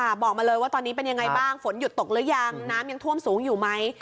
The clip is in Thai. บอกมาเลยว่าตอนนี้เป็นยังไงบ้างฝนหยุดตกหรือยังน้ำยังท่วมสูงอยู่ไหม